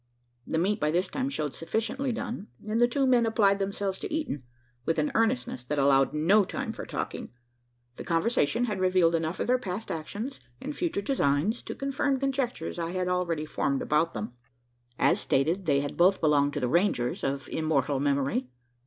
The meat by this time showed sufficiently done; and the two men applied themselves to eating, with an earnestness that allowed no time for talking. The conversation had revealed enough of their past actions, and future designs, to confirm the conjectures I had already formed about them. As stated, they had both belonged to the "Rangers" of immortal memory.